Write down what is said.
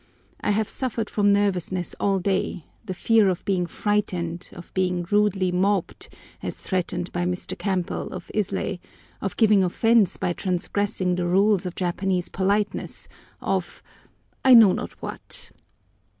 I have suffered from nervousness all day—the fear of being frightened, of being rudely mobbed, as threatened by Mr. Campbell of Islay, of giving offence by transgressing the rules of Japanese politeness—of, I know not what!